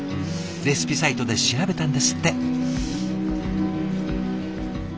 レシピサイトで調べたんですって。